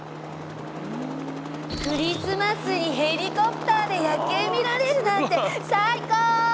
クリスマスにヘリコプターで夜景見られるなんて最高！